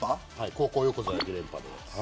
高校横綱で２連覇です。